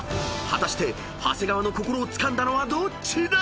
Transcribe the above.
［果たして長谷川の心をつかんだのはどっちだ⁉］